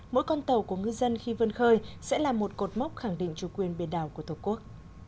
mỗi con tàu của ngư dân khi vươn khơi sẽ là một cột mốc khẳng định chủ quyền biển đảo của tổ quốc